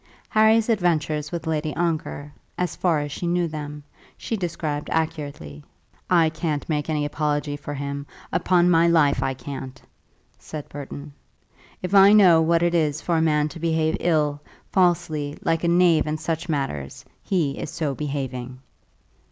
Harry's adventures with Lady Ongar, as far as she knew them, she described accurately. "I can't make any apology for him; upon my life I can't," said Burton. "If I know what it is for a man to behave ill, falsely, like a knave in such matters, he is so behaving."